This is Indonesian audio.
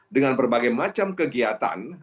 dengan berbagai macam kegiatan